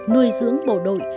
nuôi dưỡng bộ đội